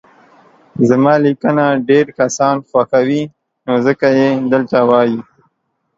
زما ليکنه ډير کسان خوښوي نو ځکه يي دلته وايي